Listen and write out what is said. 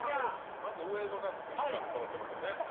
まず上の段でスリーカードそろってますよね。